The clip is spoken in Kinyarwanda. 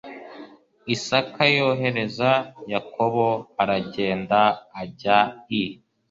isaka yohereza yakobo aragenda ajya i